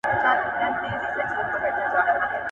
زه پوهېږم نیت دي کړی د داړلو `